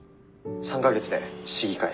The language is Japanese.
「３か月で市議会」。